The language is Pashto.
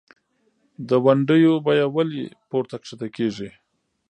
دونډیو بیه ولۍ پورته کښته کیږي؟